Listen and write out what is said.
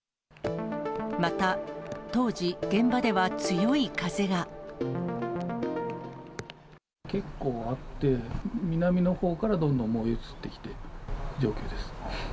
また、当時、現場では強い風結構あって、南のほうからどんどん燃え移ってきてっていう状況です。